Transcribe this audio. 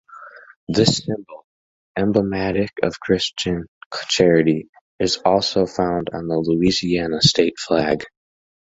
This symbol, emblematic of Christian charity, is also found on the Louisiana state flag.